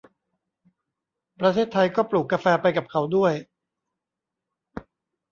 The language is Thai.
ประเทศไทยก็ปลูกกาแฟไปกับเขาด้วย